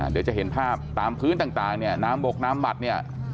เดี๋ยวจะเห็นภาพตามพื้นต่างเนี่ยน้ำบกน้ำหมัดเนี่ย